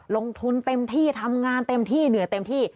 ลงทุนเต็มที่ทำงานเต็มที่เหนื่อยเต็มที่